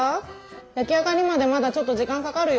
焼き上がりまでまだちょっと時間かかるよ。